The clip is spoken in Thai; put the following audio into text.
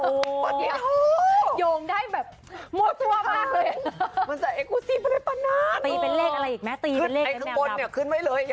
โอ้โหโยงได้แบบหมดตัวมากเลย